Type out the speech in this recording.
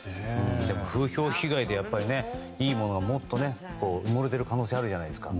でも、風評被害でいいものがもっと埋もれてる可能性があるじゃないですか。